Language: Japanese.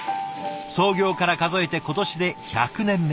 創業から数えて今年で１００年目。